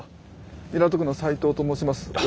港区の斉藤と申します。